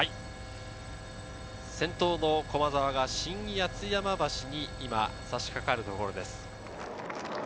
先頭の駒澤が新八ツ山橋に差し掛かるところです。